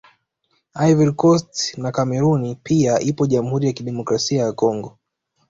Ivory Coast na Kameruni pia ipo Jamhuri ya Kidemokrasia ya Congo